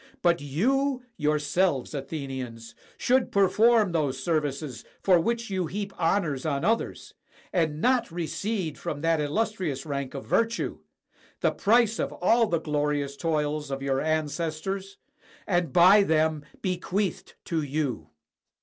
But you yourselves, Athenians, should perform those services for which you heap honors on others, and not recede from that illustrious rank of virtue, the price of all the glorious toils of your ancestors, and by them bequeathed to you.